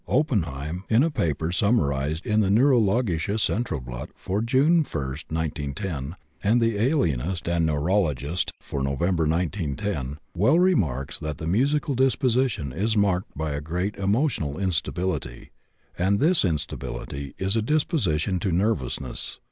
Oppenheim (in a paper summarized in the Neurologische Centralblatt for June 1, 1910, and the Alienist and Neurologist for Nov., 1910) well remarks that the musical disposition is marked by a great emotional instability, and this instability is a disposition to nervousness.